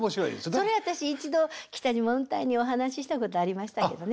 それ私一度北島御大にお話ししたことありましたけどね。